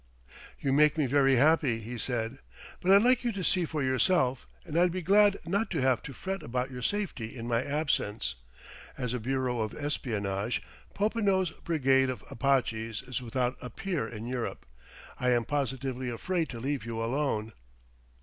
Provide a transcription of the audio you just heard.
"You make me very happy," he said ... "but I'd like you to see for yourself.... And I'd be glad not to have to fret about your safety in my absence. As a bureau of espionage, Popinot's brigade of Apaches is without a peer in Europe. I am positively afraid to leave you alone...."